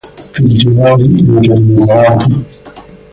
في الجوار يوجد مزرعة.